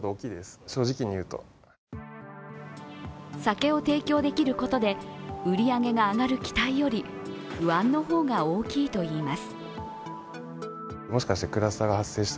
酒を提供できることで売り上げが上がる期待より不安の方が大きいといいます。